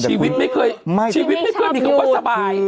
ชีวิตไม่เคยมีคำว่าสบาย